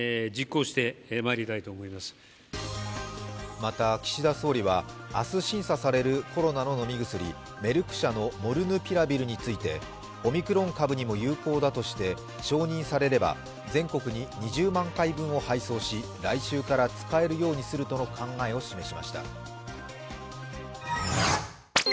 また、岸田総理は明日、審査されるコロナの飲み薬メルク社のモルヌピラビルについて、オミクロン株にも有効だとして承認されれば全国に２０万回分を配送し、来週から使えるようにするとの考えを示しました。